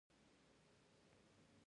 اقلیم د افغانستان د ځمکې د جوړښت نښه ده.